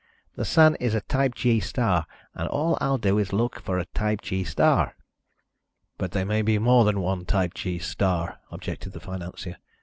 The Sun is a type G star and all I'll do is look for a type G star." "But there may be more than one type G star," objected the financier.